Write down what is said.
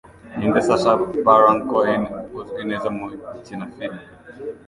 Ninde Sacha Baron Cohen Uzwi neza mu gukina filime